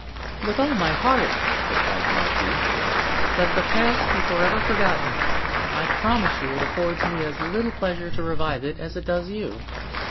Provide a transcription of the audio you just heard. "With all my heart," replied the marquise; "let the past be forever forgotten. I promise you it affords me as little pleasure to revive it as it does you.